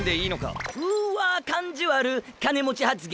うっわ感じわる金持ち発言！！